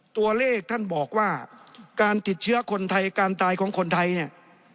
ตัวเลขท่านบอกว่าการติดเชื้อคนไทยการตายของคนไทยเนี่ย